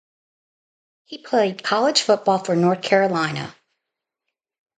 He played college football for North Carolina.